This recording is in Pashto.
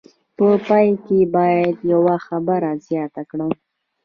په پای کې باید یوه خبره زیاته کړم.